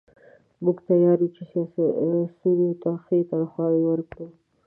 موږ تیار یو چې سیاسیونو ته ښې تنخواوې ورکړو.